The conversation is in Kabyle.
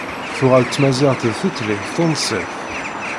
Tuɣal tmaziɣt d tutlayt tunṣibt.